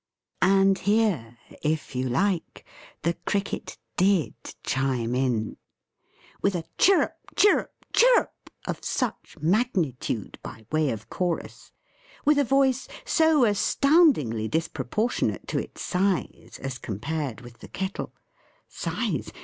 And here, if you like, the Cricket DID chime in! with a Chirrup, Chirrup, Chirrup of such magnitude, by way of chorus; with a voice, so astoundingly disproportionate to its size, as compared with the Kettle; (size!